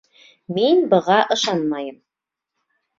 Мин быға ышанмайым!